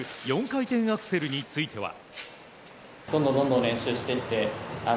４回転アクセルについては。